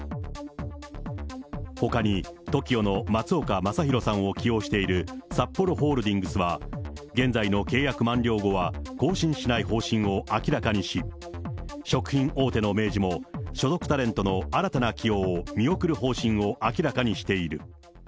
ほかにＴＯＫＩＯの松岡昌宏さんを起用しているサッポロホールディングスは、現在の契約満了後は、更新しない方針を明らかにし、食品大手の明治も、所属タレントの新たな起用を見送る方針を明らかにしている。